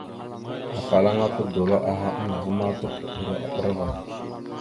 Afalaŋa todoláaha andəva ma, topoɗoro a bəra ava.